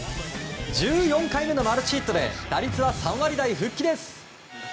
１４回目のマルチヒットで打率は３割台復帰です。